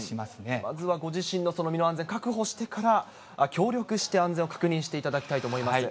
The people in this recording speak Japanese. まずはご自身の身の安全を確保してから、協力して安全を確認していただきたいと思います。